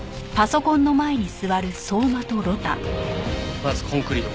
まずコンクリートだ。